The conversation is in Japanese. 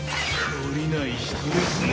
懲りない人ですね！